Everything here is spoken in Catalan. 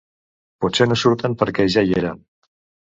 Potser no surten perquè ja hi eren!